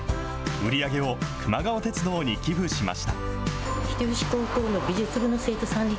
売り上げをくま川鉄道に寄付しました。